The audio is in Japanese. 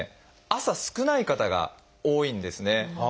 朝少ない方が多いんですね。